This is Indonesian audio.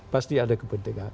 pasti ada kepentingan